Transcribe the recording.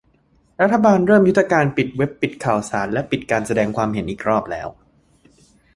รัฐบาลเริ่มยุทธการปิดเว็บปิดข่าวสารและปิดการแสดงความเห็นอีกรอบแล้ว